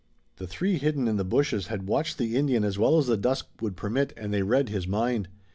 The three hidden in the bushes had watched the Indian as well as the dusk would permit and they read his mind.